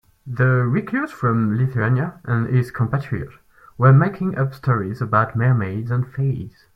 The recluse from Lithuania and his compatriot were making up stories about mermaids and fays.